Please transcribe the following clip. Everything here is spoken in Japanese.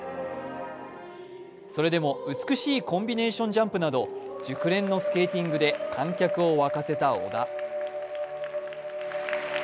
それでも美しいコンビネーションジャンプなど熟練のスケーティングで観客を沸かせた織田。